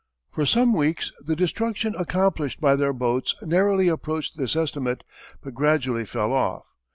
For some weeks the destruction accomplished by their boats narrowly approached this estimate, but gradually fell off.